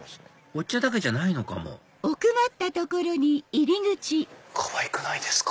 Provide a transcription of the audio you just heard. お茶だけじゃないのかもかわいくないですか？